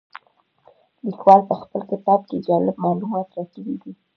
لیکوال په خپل کتاب کې جالب معلومات راکړي دي.